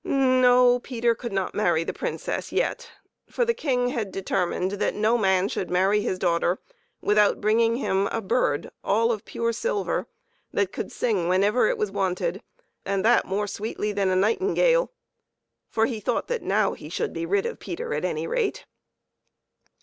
No, Peter could not marry the Princess yet, for the King had determined that no man should marry his daughter without bring ing him a bird all of pure silver that could sing whenever it was wanted, and that more sweetly than a nightingale ; for he thought that now he should be rid of Peter, at any rate.